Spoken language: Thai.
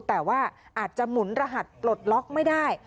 แต่ว่าอาจจะหมุนรหัสปลดล็อกไม่ได้